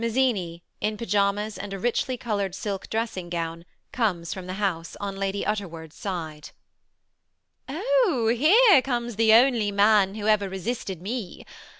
Mazzini, in pyjamas and a richly colored silk dressing gown, comes from the house, on Lady Utterword's side. MRS HUSHABYE. Oh! here comes the only man who ever resisted me.